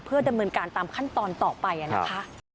เพื่อดำเนินการตามขั้นตอนต่อไปนะคะ